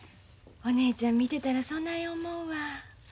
お姉ちゃん見てたらそない思うわ。